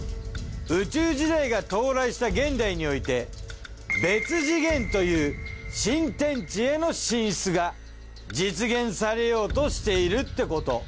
宇宙時代が到来した現代において別次元という新天地への進出が実現されようとしているってこと。